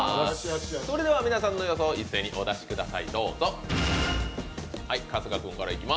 それでは皆さんの予想、一斉にお出しください。